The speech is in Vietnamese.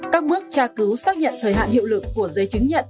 các bước tra cứu xác nhận thời hạn hiệu lực của giấy chứng nhận